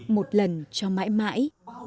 một lần cho mãi mãi